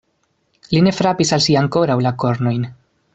Li ne frapis al si ankoraŭ la kornojn.